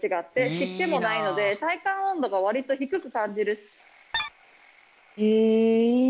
湿気もないので体感温度が割と低く感じる。